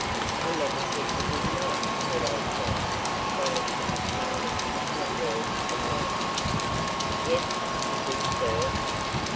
"I never said you did not," said Osborne, astonished at his father's passionate words and manner. "Yes, you did, sir.